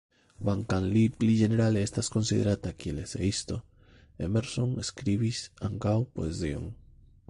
Kvankam li pli ĝenerale estas konsiderata kiel eseisto, Emerson skribis ankaŭ poezion.